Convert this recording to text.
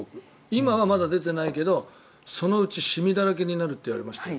今は出てないけどそのうちシミだらけになるって言われました。